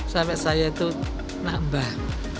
sampai saya itu nambah